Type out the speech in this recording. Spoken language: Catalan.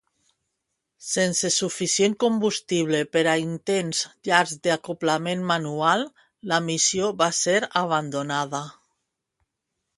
Sense suficient combustible per a intents llargs d'acoblament manual, la missió va ser abandonada.